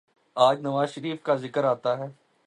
آج نواز شریف کا ذکر آتا ہے۔